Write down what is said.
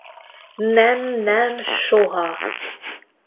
Nem, nem, soha!